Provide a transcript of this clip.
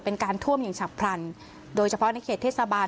เป็นการท่วมอย่างฉับพลันโดยเฉพาะในเขตเทศบาล